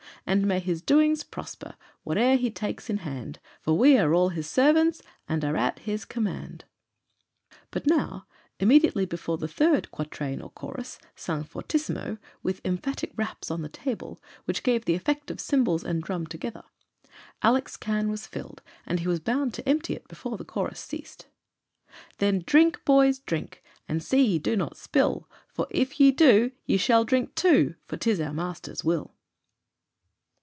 "And may his doings prosper, Whate'er he takes in hand, For we are all his servants, And are at his command." But now, immediately before the third quatrain or chorus, sung fortissimo, with emphatic raps on the table, which gave the effect of cymbals and drum together. Alick's can was filled, and he was bound to empty it before the chorus ceased. "Then drink, boys, drink! And see ye do not spill, For if ye do, ye shall drink two, For 'tis our master's will."